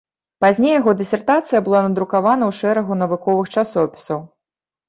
Пазней яго дысертацыя была надрукавана ў шэрагу навуковых часопісаў.